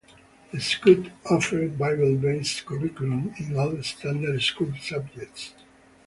The school offered Bible-based curriculum in all standard school subjects.